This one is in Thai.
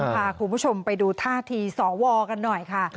พาคุณผู้ชมไปดูท่าทีสวกันหน่อยค่ะ